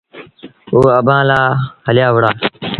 او با هليآ وُهڙآ۔